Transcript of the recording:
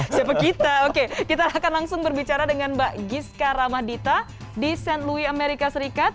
siapa kita oke kita akan langsung berbicara dengan mbak giska ramadita di sand louis amerika serikat